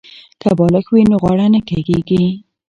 که بالښت وي نو غاړه نه کږیږي.